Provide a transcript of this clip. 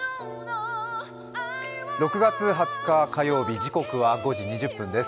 ６月２０日火曜日、時刻は５時２０分です